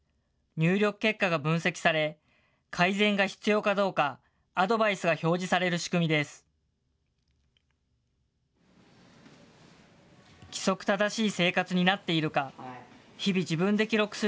入力結果が分析され、改善が必要かどうか、アドバイスが表示される仕組みです。